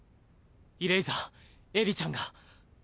イレイザーエリちゃんが。